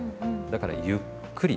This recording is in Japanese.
だからゆっくり。